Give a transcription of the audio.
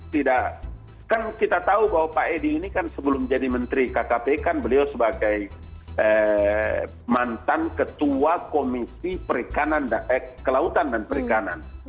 tidak kan kita tahu bahwa pak edi ini kan sebelum jadi menteri kkp kan beliau sebagai mantan ketua komisi kelautan dan perikanan